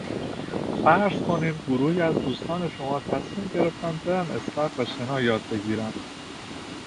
فرض کنین گروهی از دوستان شما تصمیم گرفتن برن استخر و شنا یاد بگیرن.